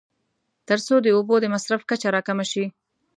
تر څو د اوبو د مصرف کچه راکمه شي.